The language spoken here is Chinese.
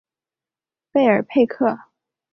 贝尔佩克。